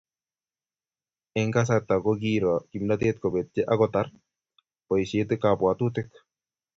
Eng kasarta ko kiiro kimnatet kobetyei akotar boisiet kabwatutik